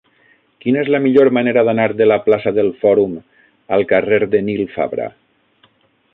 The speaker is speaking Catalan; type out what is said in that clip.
Quina és la millor manera d'anar de la plaça del Fòrum al carrer de Nil Fabra?